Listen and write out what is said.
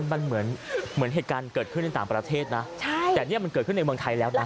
มันเหมือนเหมือนเหตุการณ์เกิดขึ้นในต่างประเทศนะใช่แต่เนี่ยมันเกิดขึ้นในเมืองไทยแล้วนะ